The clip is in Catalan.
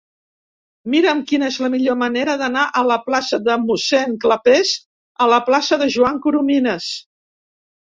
Mira'm quina és la millor manera d'anar de la plaça de Mossèn Clapés a la plaça de Joan Coromines.